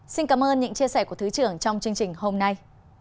xin cảm ơn những chia sẻ của thứ trưởng trong chương trình hôm nay